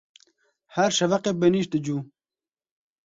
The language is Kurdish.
Her şeveqê benîşt dicû.